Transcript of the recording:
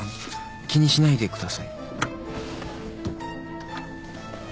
気にしないでください。